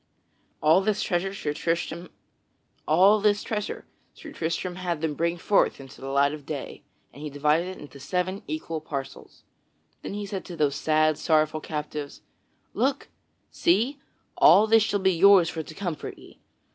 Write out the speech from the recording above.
[Sidenote: Sir Tristram divides the treasure amongst the captives] All this treasure Sir Tristram had them bring forth into the light of day, and he divided it into seven equal parcels. Then he said to those sad, sorrowful captives: "Look! See! all this shall be yours for to comfort ye!